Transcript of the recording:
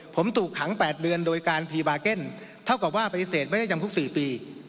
ผมถูกขัง๘เดือนโดยการพรีบาร์เก็นเท่ากับว่าปฏิเสธไม่ได้จำคุก๔ปี